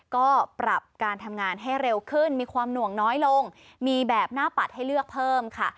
ก็ปรับการทำงานให้เร็วขึ้นมีความหน่วงน้อยลงมีแบบหน้าปัดให้เลือกเพิ่มค่ะ